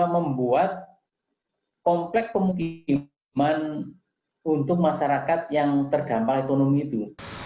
membuat komplek pemutiman untuk masyarakat yang tergampang ekonomi itu